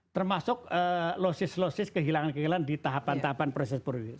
termasuk losses losses kehilangan kehilangan di tahapan tahapan proses produksi